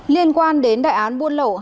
liên quan đến đại án buôn lậu